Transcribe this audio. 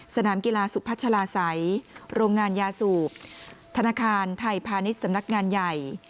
สนามกีฬาสุพัชลาศัยโรงงานยาสูบธนาคารไทยพาณิชย์สำนักงานใหญ่